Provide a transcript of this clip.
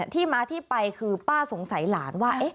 ที่มาที่ไปคือป้าสงสัยหลานว่า